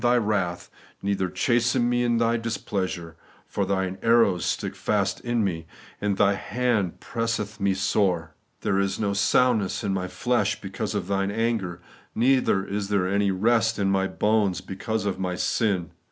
Thy wrath, neither chasten me in Thy displeasure ; for Thine arrows stick fast in me, and Thy hand presseth me sore. There is no soundness in my flesh because of Thine anger, neither is there any rest in my bones because of my sin.